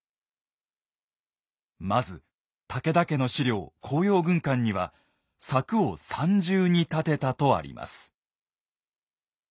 まず武田家の史料「甲陽軍鑑」には「柵を三重に立てた」とあります。